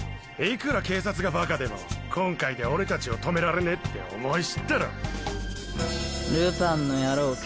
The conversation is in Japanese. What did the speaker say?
いくら警察がバカでも今回で俺たちを止められねえって思い知ったろ。